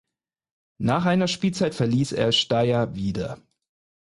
Nach einer Spielzeit verließ er Steyr wieder.